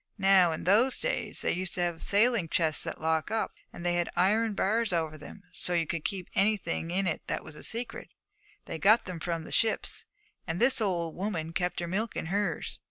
Now, in those days they used to have sailing chests that lock up; they had iron bars over them, so you could keep anything in that was a secret. They got them from the ships, and this old woman kept her milk in hers.